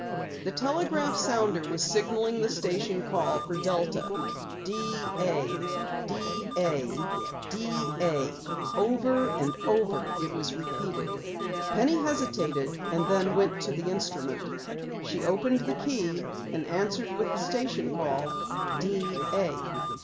The telegraph sounder was signaling the station call for Delta: "D A, D A, D A." Over and over it was repeated. Penny hesitated and then went to the instrument. She opened the key and answered with the station call, "D A."